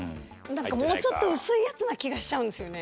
もうちょっと薄いやつな気がしちゃうんですよね。